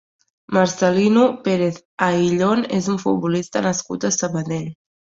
Marcelino Pérez Ayllón és un futbolista nascut a Sabadell.